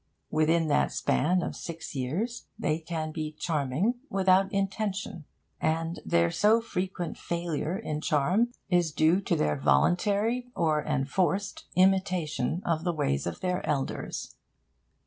Within that span of six years they can be charming without intention; and their so frequent failure in charm is due to their voluntary or enforced imitation of the ways of their elders.